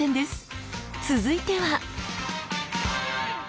続いては。